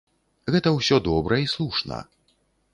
Гэта ўсё добра і слушна.